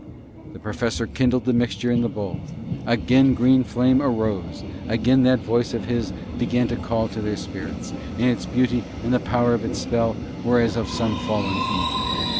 The Professor kindled the mixture in the bowl; again green flame arose, again that voice of his began to call to their spirits, and its beauty and the power of its spell were as of some fallen angel.